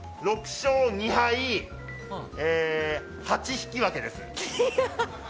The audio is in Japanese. ６勝２敗８引き分けです。